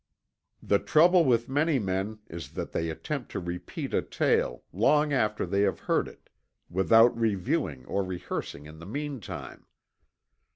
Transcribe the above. The trouble with many men is that they attempt to repeat a tale, long after they have heard it, without reviewing or rehearsing in the meantime.